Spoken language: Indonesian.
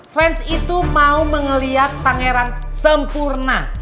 fans itu mau mengeliat pangeran sempurna